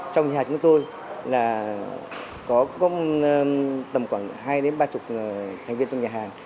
trong nhà chúng tôi là có tầm khoảng hai đến ba mươi thành viên trong nhà hàng